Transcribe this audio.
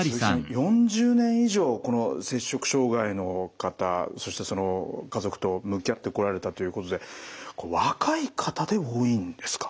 ４０年以上この摂食障害の方そしてその家族と向き合ってこられたということで若い方で多いんですか？